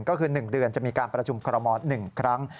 ก็คือ๑เดือนจะมีการประชุมคอรมอล๑ครั้ง